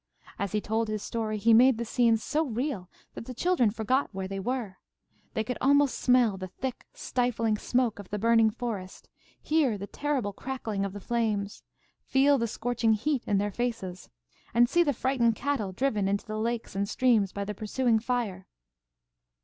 As he told his story, he made the scenes so real that the children forgot where they were. They could almost smell the thick, stifling smoke of the burning forest, hear the terrible crackling of the flames, feel the scorching heat in their faces, and see the frightened cattle driven into the lakes and streams by the pursuing fire.